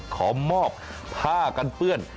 ขอมอบผ้ากันเปื้อน